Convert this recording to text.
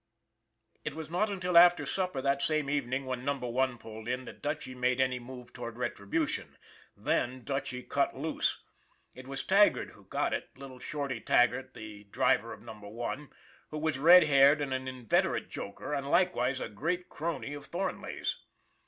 It was not until after supper that same evening, when Number One pulled in, that Dutchy made any move toward retribution then Dutchy cut loose. It was Taggart who got it little Shorty Taggart, the driver of Number One, who was red haired and an inveterate joker, and likewise a great crony of Thornley's.